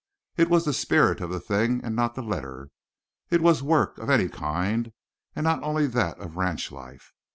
It was the spirit of the thing and not the letter. It was work of any kind and not only that of ranch life.